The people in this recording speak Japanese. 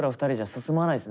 進まない。